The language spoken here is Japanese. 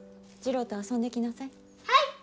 次郎と遊んできなさい。